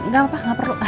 gak apa apa gak perlu